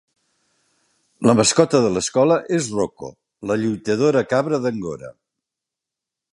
La mascota de l'escola és Rocko, la lluitadora cabra d'Angora.